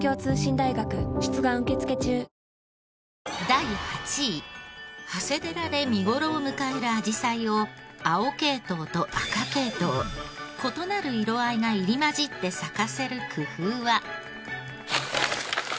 第８位長谷寺で見頃を迎えるあじさいを青系統と赤系統異なる色合いが入り交じって咲かせる工夫は？